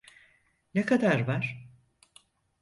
Ne kadar var?